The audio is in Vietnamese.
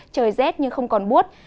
trời rét nhưng không còn bút